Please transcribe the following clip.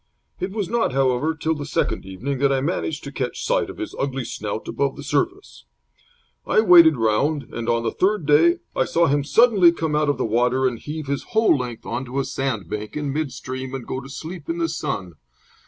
It was not, however, till the second evening that I managed to catch sight of his ugly snout above the surface. I waited around, and on the third day I saw him suddenly come out of the water and heave his whole length on to a sandbank in mid stream and go to sleep in the sun.